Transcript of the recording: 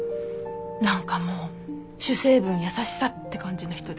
何かもう「主成分優しさ」って感じの人で。